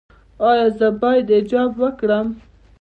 ایا زه باید حجاب وکړم؟